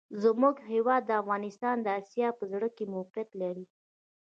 زموږ هېواد افغانستان د آسیا په زړه کي موقیعت لري.